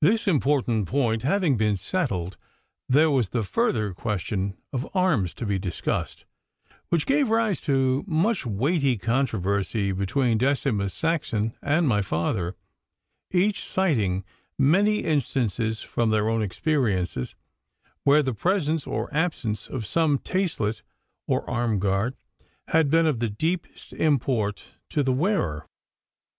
This important point having been settled, there was the further question of arms to be discussed, which gave rise to much weighty controversy between Decimus Saxon and my father, each citing many instances from their own experiences where the presence or absence of some taslet or arm guard had been of the deepest import to the wearer.